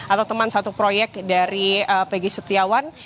atau teman satu proyek dari pegi setiawan